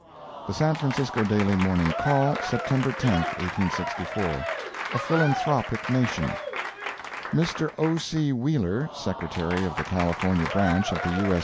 The San Francisco Daily Morning Call, September 10, 1864 A PHILANTHROPIC NATION Mr. O. C. Wheeler, Secretary of the California Branch of the U.S.